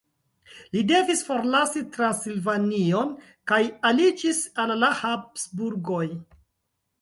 Li devis forlasi Transilvanion kaj aliĝis al la Habsburgoj.